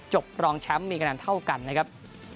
รองแชมป์มีคะแนนเท่ากันนะครับ